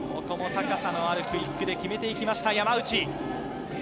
高さのあるクイックで決めてきました。